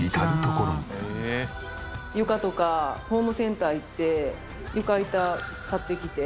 床とかホームセンター行って床板買ってきて。